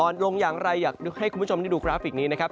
ลงอย่างไรอยากให้คุณผู้ชมได้ดูกราฟิกนี้นะครับ